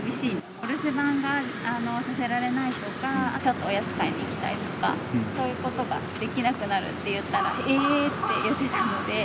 お留守番がさせられないとか、ちょっとおやつ買いに行ったりとか、そういうことができなくなるって言ったら、えーって言ってたので。